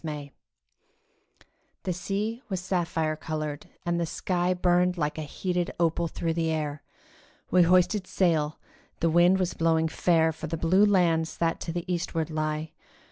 GREECE THE sea was sapphire coloured, and the sky Burned like a heated opal through the air; We hoisted sail; the wind was blowing fair For the blue lands that to the eastward lie.